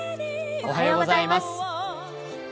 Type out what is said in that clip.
おはようございます。